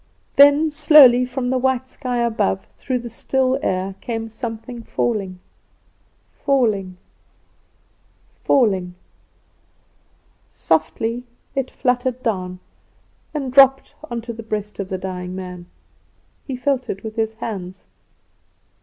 "Then slowly from the white sky above, through the still air, came something falling, falling, falling. Softly it fluttered down, and dropped on to the breast of the dying man. He felt it with his hands.